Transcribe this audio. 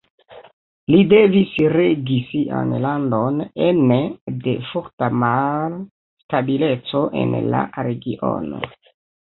Li devis regi sian landon ene de forta malstabileco en la regiono.